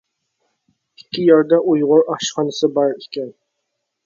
ئىككى يەردە ئۇيغۇر ئاشخانىسى بار ئىكەن.